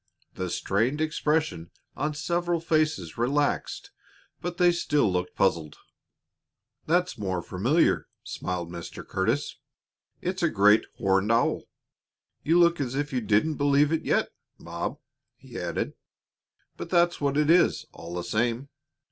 The strained expression on several faces relaxed, but they still looked puzzled. "That's more familiar," smiled Mr. Curtis. "It's a great horned owl. You look as if you didn't believe it yet, Bob," he added, "but that's what it is, all the same.